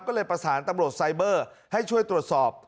ก็เลยประสานตำรวจไซเบอร์ให้ช่วยตรวจสอบ